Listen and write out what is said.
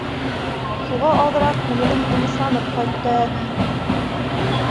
Шуға аҙыраҡ күңелем тынысланып ҡайтты әле.